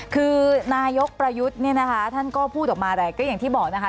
คือนายกประยุทธ์เนี่ยนะคะท่านก็พูดออกมาอะไรก็อย่างที่บอกนะคะ